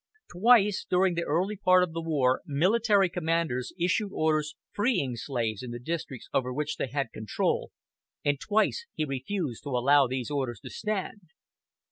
Twice during the early part of the war military commanders issued orders freeing slaves in the districts over which they had control, and twice he refused to allow these orders to stand.